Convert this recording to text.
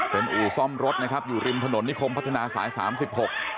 เป็นอู่ซ่อมรถนะครับอยู่ริมถนนนิคมพัฒนาสายสามสิบหก